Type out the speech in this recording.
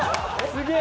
すげえ！